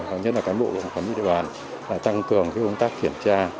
hoặc nhất là cán bộ của quản lý địa bàn là tăng cường cái công tác kiểm tra